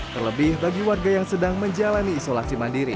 terlebih bagi warga yang sedang menjalani isolasi mandiri